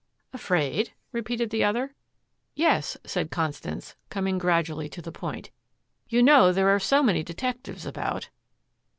"Afraid?" repeated the other. "Yes," said Constance, coming gradually to the point. "You know there are so many detectives about."